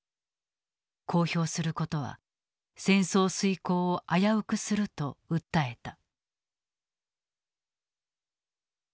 公表することは戦争遂行を危うくすると訴えた。